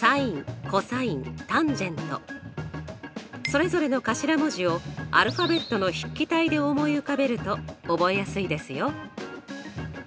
それぞれの頭文字をアルファベットの筆記体で思い浮かべると覚えやすいですよ。